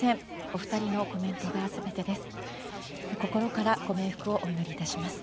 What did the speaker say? お二人のコメントが全てです。